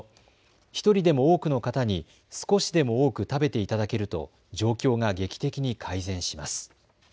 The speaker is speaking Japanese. １人でも多くの方に少しでも多く食べていただけると状況が劇的に改善します。